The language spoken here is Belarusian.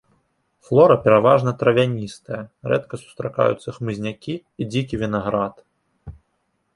Флора пераважна травяністая, рэдка сустракаюцца хмызнякі і дзікі вінаград.